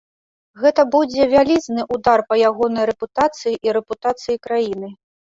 Гэта будзе вялізны ўдар па ягонай рэпутацыі і рэпутацыі краіны.